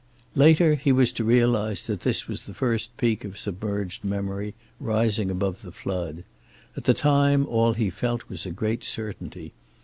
Later he was to realize that this was the first peak of submerged memory, rising above the flood. At the time all he felt was a great certainty.